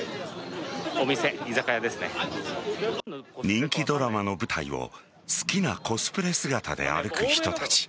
人気ドラマの舞台を好きなコスプレ姿で歩く人たち。